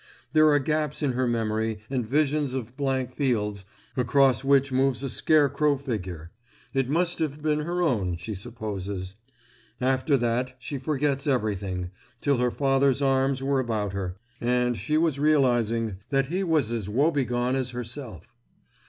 There are gaps in her memory and visions of blank fields across which moves a scarecrow figure; it must have been her own, she supposes. After that she forgets everything, till her father's arms were about her, and she was realising that he was as woe begone as herself.